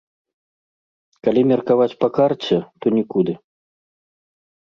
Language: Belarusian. Калі меркаваць па карце, то нікуды.